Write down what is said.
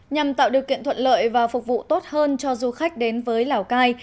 nhằm tạo điều kiện thuận lợi và phục vụ tốt hơn cho du khách đến với lào cai